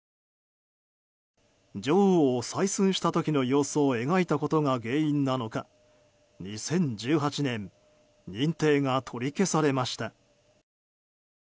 女王を採寸した時の様子を描いたことが原因なのか２０１８年認定が取り消されました。